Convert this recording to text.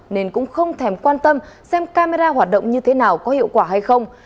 nên cũng không thèm quan tâm xem camera hoạt động như thế nào có hiệu quả hay không